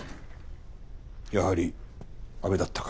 やはり阿部だったか。